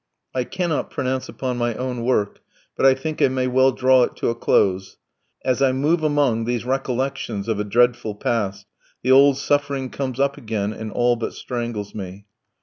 I cannot pronounce upon my own work, but I think I may well draw it to a close; as I move among these recollections of a dreadful past, the old suffering comes up again and all but strangles me.